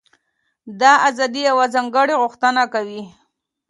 دا ازادي یوه ځانګړې غوښتنه کوي.